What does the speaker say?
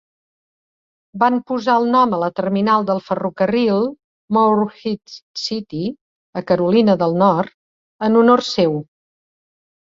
Van posar el nom a la terminal del ferrocarril, Morehead City, a Carolina del Nord, en honor seu.